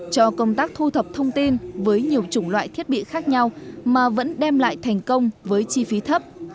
cho công tác thu thập thông tin với nhiều chủng loại thiết bị khác nhau mà vẫn đem lại thành công với chi phí thấp